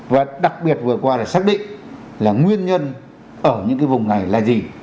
và đặc biệt vừa qua để xác định là nguyên nhân ở những cái vùng này là gì